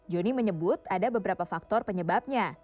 joni menyebut ada beberapa faktor penyebabnya